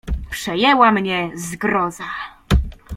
"Przejęła mnie zgroza."